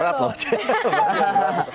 harapnya berat loh